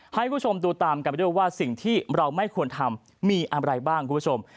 ให้คุณผู้ชมดูตามกันไปด้วยว่าสิ่งที่เราไม่ควรทำมีอะไรบ้างคุณผู้ชม